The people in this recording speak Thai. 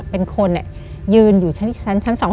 เป็นคนยืนอยู่ชั้น๒